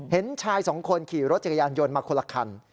เห็นชายสองคนขี่รถจักรยานยนต์มาคนละคัน